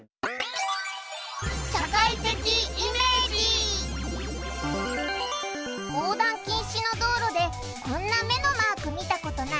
社会的イメージ？横断禁止の道路でこんな目のマーク見たことない？